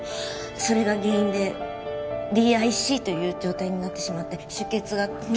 それが原因でＤＩＣという状態になってしまって出血がコントロール。